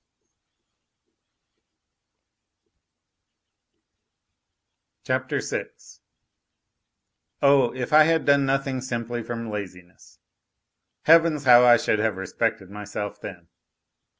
VI Oh, if I had done nothing simply from laziness ! Heavens, how I should have respected myself, then.